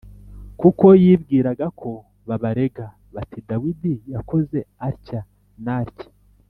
kuko yibwiraga ko babarega bati “dawidi yakoze atya n’atya